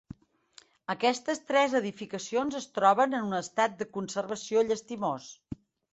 Aquestes tres edificacions es troben en un estat de conservació llastimós.